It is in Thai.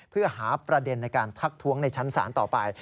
เพื่อหาประเด็นในการทักท้วงในชั้นศาลต่อไป